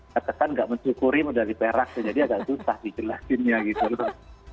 katakan gak mensyukuri medali perak jadi agak susah dijelasinnya gitu loh